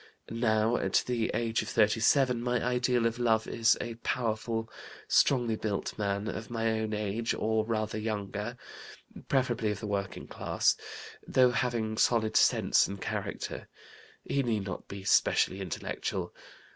Now, at the age of 37, my ideal of love is a powerful, strongly built man, of my own age or rather younger preferably of the working class. Though having solid sense and character, he need not be specially intellectual.